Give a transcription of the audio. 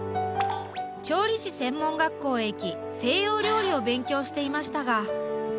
調理師専門学校へ行き西洋料理を勉強していましたが。